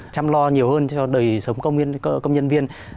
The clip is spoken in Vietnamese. chăm lo nhiều hơn cho đời sống công nhân viên